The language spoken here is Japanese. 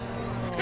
え？